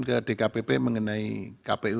ke dkpp mengenai kpu